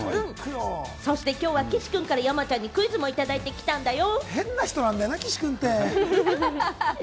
そして今日は岸君から山ちゃんにクイズもいただいてきたんだよ。